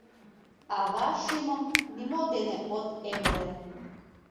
Ава шӱмым нимо дене от эмле.